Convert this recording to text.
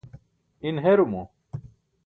in herumo